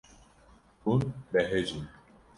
Hûn behecîn.